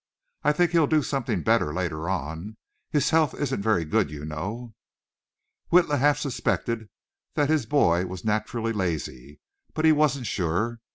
"I think he'll do something better later on. His health isn't very good, you know." Witla half suspected that his boy was naturally lazy, but he wasn't sure.